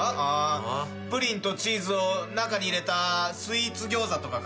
プリンとチーズを中に入れたスイーツギョーザとかか？